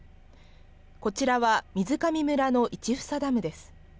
こちらは水上村の市房ダムです。